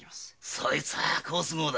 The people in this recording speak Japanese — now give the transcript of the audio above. そいつは好都合だ。